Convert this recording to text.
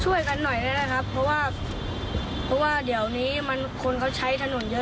ช่วยกันหน่อยแล้วนะครับเพราะว่าเพราะว่าเดี๋ยวนี้มันคนเขาใช้ถนนเยอะ